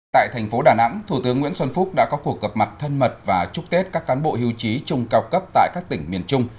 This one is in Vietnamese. tại thành phố đà nẵng thủ tướng nguyễn xuân phúc đã có cuộc gặp mặt thân mật và chúc tết các cán bộ hưu trí trung cao cấp tại các tỉnh miền trung